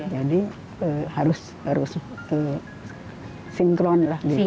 jadi harus sinkron